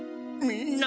みんな？